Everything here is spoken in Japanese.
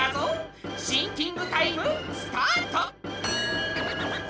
シンキングタイムスタート！